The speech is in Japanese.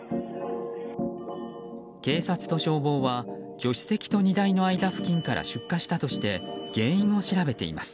警察と消防は助手席と荷台の間付近から出火したとして原因を調べています。